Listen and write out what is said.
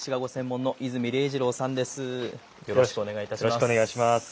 よろしくお願いします。